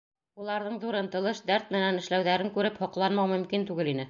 Уларҙың ҙур ынтылыш, дәрт менән эшләүҙәрен күреп һоҡланмау мөмкин түгел ине.